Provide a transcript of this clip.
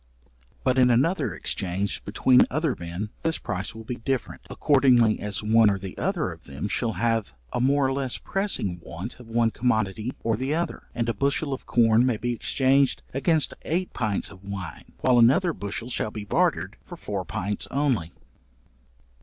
But in another exchange between other men, this price will be different, accordingly as one or the other of them shall have a more or less pressing want of one commodity or the other; and a bushel of corn may be exchanged against eight pints of wine, while another bushel shall be bartered for four pints only.